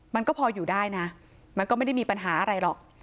มันก็พออยู่ได้นะมันก็ไม่ได้มีปัญหาอะไรหรอก